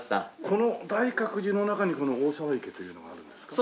この大覚寺の中にこの大沢池というのがあるんですか？